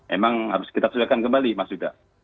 emang harus kita sesuaikan kembali mas yuda